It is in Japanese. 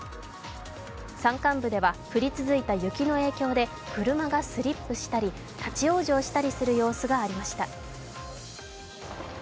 山間部では降り続いた雪の影響で車がスリップしたり立ち往生したりする様子がありました。